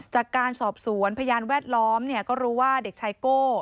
จากการสอบสวนพยานแวดล้อมก็รู้ว่าเด็กชายโก้